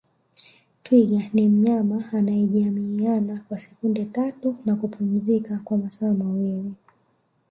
Twiga ni mnyama anayejamiiana kwa sekunde tatu na kupumzika kwa masaa mawili